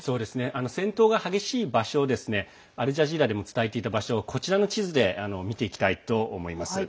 戦闘が激しい場所アルジャジーラでも伝えていた場所をこちらの地図で見ていきたいと思います。